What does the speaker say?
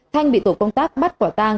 thanh bị tổ công tác bắt quả tang